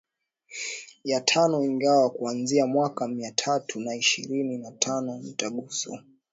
ya tano ingawa kuanzia mwaka mia tatu na ishirini na tano mitaguso